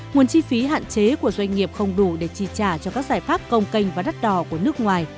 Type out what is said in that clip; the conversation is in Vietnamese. nguồn chi phí hạn chế của doanh nghiệp không đủ để chi trả cho các giải pháp công canh và đắt đỏ của nước ngoài